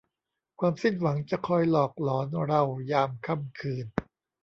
ความสิ้นหวังจะคอยหลอกหลอนเรายามค่ำคืน